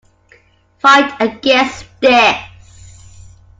Fight against this.